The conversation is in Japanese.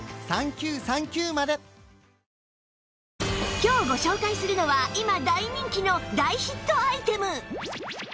今日ご紹介するのは今大人気の大ヒットアイテム